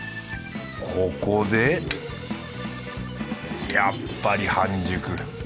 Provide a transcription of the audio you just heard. ここでやっぱり半熟。